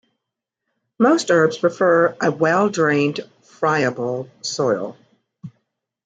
Most herbs prefer a well drained, friable soil.